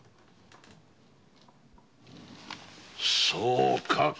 そうか。